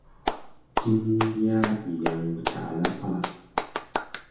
Tin yaa ɓi yaŋ mo taʼ la pala.